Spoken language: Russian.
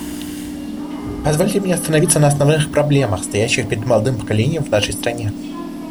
Позвольте мне остановиться на основных проблемах, стоящих перед молодым поколением в нашей стране.